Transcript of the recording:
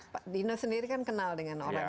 pak dino sendiri kan kenal dengan orang ya kan